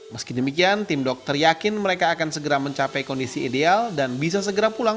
meski demikian tim dokter yakin mereka akan segera mencapai kondisi ideal dan bisa segera pulang